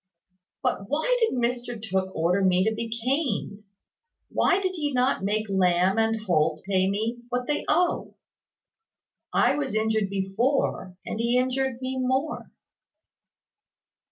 "But why did Mr Tooke order me to be caned? Why did he not make Lamb and Holt pay me what they owe? I was injured before: and he injured me more."